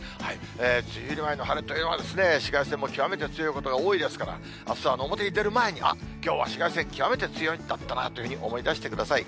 梅雨入り前の晴れというのは、紫外線も極めて強いことが多いですから、あすは表に出る前に、あっ、きょうは紫外線、極めて強いんだったなというふうに思い出してください。